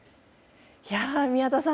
宮田さん。